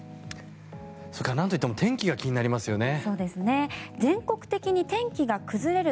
それから、なんと言っても天気が気になりますよね。